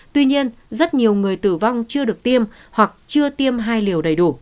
tuy nhiên rất nhiều người tử vong chưa được tiêm hoặc chưa tiêm hai liều đầy đủ